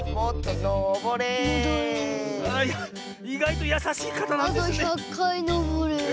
いがいとやさしいかたなんですね。